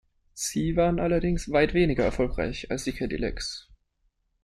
Sie waren allerdings weit weniger erfolgreich als die Cadillacs.